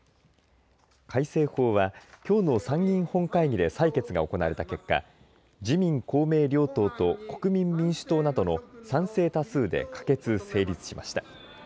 改正法はきょうの参議院本会議で採決が行われた結果、自民公明両党と国民民主党などの賛成多数で可決・成立しました。